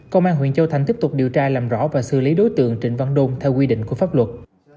công an huyện châu thành tiếp tục điều tra làm rõ và xử lý đối tượng trịnh văn đôn theo quy định của pháp luật